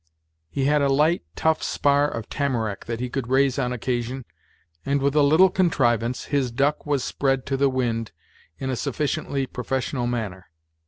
He had a light, tough spar of tamarack that he could raise on occasion, and with a little contrivance, his duck was spread to the wind in a sufficiently professional manner.